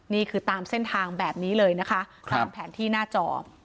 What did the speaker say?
นี่คือตามเส้นทางแบบนี้เลยนะคะตามแผนที่หน้าจอ